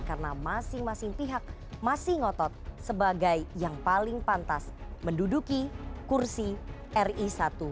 karena masing masing pihak masih ngotot sebagai yang paling pantas menduduki kursi ri satu